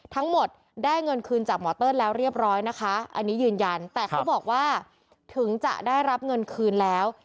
ทั้งหมดได้เงินคืนจากหมอเติ้ลแล้วเรียบร้อยนะคะอันนี้ยืนยันแต่เขาบอกว่าถึงจะได้รับเงินคืนแล้ว